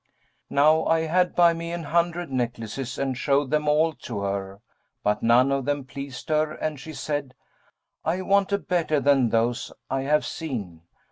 Now I had by me an hundred necklaces and showed them all to her; but none of them pleased her and she said, 'I want a better than those I have seen.'